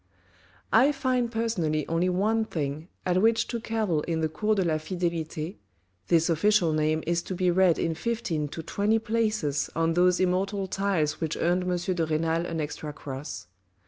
I find personally only one thing at which to cavil in the COURS DE LA FIDELITE, (this official name is to be read in fifteen to twenty places on those immortal tiles which earned M. de Renal an extra cross.)